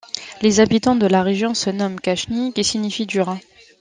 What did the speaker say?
Les habitants de la région se nomment khachnis qui signifient durs.